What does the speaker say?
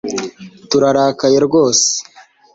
Turarakaye rwose